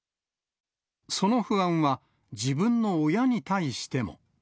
その不安は、自分の親に対しても。